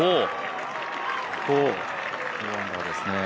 ４。４アンダーですね。